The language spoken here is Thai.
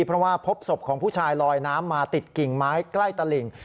เพราะว่าพบศพของผู้ชายลอยน้ำมาติดกิ่งไม้ใกล้ตะหลิ่ง